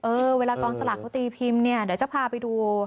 เวลากองสลากเขาตีพิมพ์เนี่ยเดี๋ยวจะพาไปดู